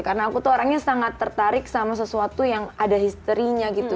karena aku tuh orangnya sangat tertarik sama sesuatu yang ada history nya gitu